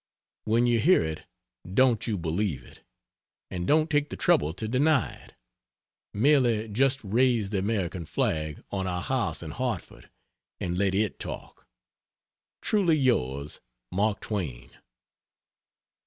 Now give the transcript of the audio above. When you hear it, don't you believe it. And don't take the trouble to deny it. Merely just raise the American flag on our house in Hartford, and let it talk. Truly yours, MARK TWAIN.